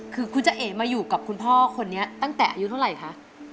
คือคุณจะเอ๋มาอยู่กับคุณพ่อคนนี้ตั้งแต่อายุเท่าไหร่คะ